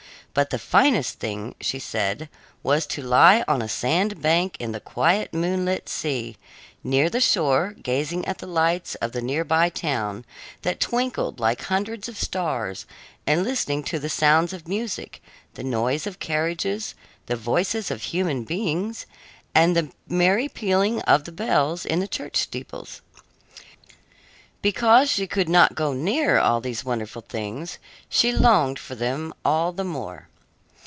But the finest thing, she said, was to lie on a sand bank in the quiet moonlit sea, near the shore, gazing at the lights of the near by town, that twinkled like hundreds of stars, and listening to the sounds of music, the noise of carriages, the voices of human beings, and the merry pealing of the bells in the church steeples. Because she could not go near all these wonderful things, she longed for them all the more.